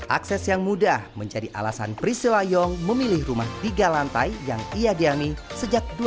akses yang mudah menjadi alasan priscila yong memilih rumah tiga lantai yang ia diami sejak dua ribu dua